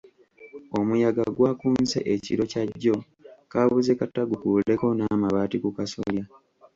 Omuyaga gwakunse ekiro kya jjo kaabuze kata gukuuleko n’amabaati ku kasolya.